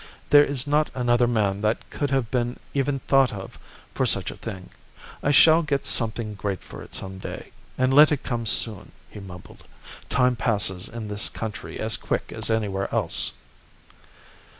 There is not another man that could have been even thought of for such a thing. I shall get something great for it some day. And let it come soon,' he mumbled. 'Time passes in this country as quick as anywhere else.